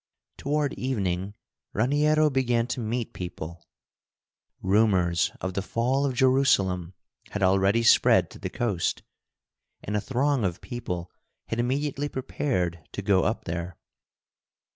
Toward evening Raniero began to meet people. Rumors of the fall of Jerusalem had already spread to the coast, and a throng of people had immediately prepared to go up there.